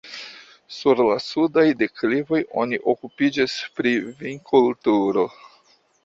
Sur la sudaj deklivoj oni okupiĝas pri vinkulturo.